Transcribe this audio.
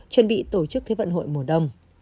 chuẩn bị tổ chức thế vận hội mùa đông